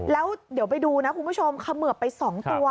แล้วเดี๋ยวไปดูนะคุณผู้ชมเขมือบไป๒ตัว